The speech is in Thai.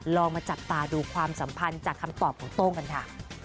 ลองมาจับตาดูความสัมพันธ์จากคำตอบของโต้งกันค่ะ